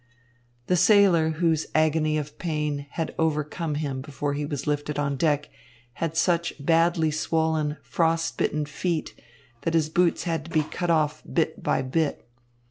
The sailor whose agony of pain had overcome him before he was lifted on deck had such badly swollen, frostbitten feet that his boots had to be cut off bit by bit.